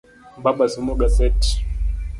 Baba somo gaset.